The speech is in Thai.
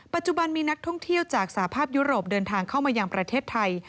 ปัจจุบันมีนักท่องเที่ยวจากสภาพยุโรปเดินทางเข้ามายังประเทศไทย